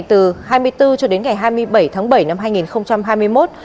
từ hai mươi bốn cho đến ngày hai mươi bảy tháng bảy năm hai nghìn hai mươi một